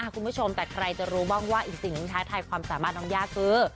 คุณผู้ชมแต่ใครจะรู้บ้างว่าอีกสิ่งหนึ่งท้าทายความสามารถน้องย่าคือ